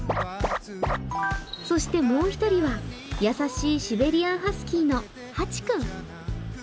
そしてもう１人は優しいシベリアンハスキーのハチ君。